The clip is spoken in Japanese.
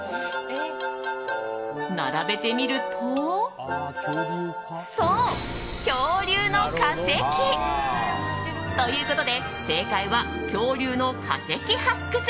並べてみるとそう、恐竜の化石！ということで正解は恐竜の化石発掘。